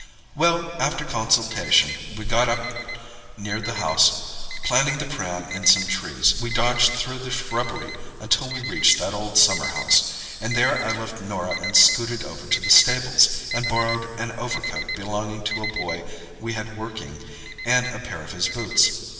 "Well, after consultation we got up near the house, planting the pram in some trees. We dodged through the shrubbery until we reached that old summer house, and there I left Norah and scooted over to the stables, and borrowed an overcoat belonging to a boy we had working and a pair of his boots.